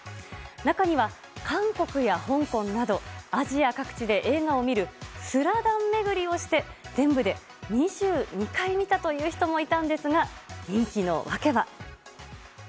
中には、韓国や香港などアジア各地で映画を見る「スラダン」巡りをして全部で２２回見たという人もいたんですが人気の訳は。